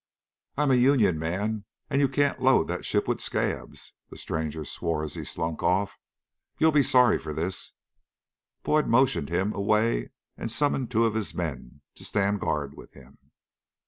"I'm a union man and you can't load that ship with 'scabs!'" The stranger swore as he slunk off. "You'll be sorry for this." But Boyd motioned him away and summoned two of his men to stand guard with him.